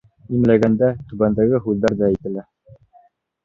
Имләгәндә түбәндәге һүҙҙәр ҙә әйтелә: